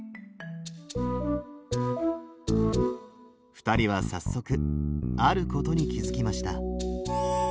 ２人は早速あることに気付きました。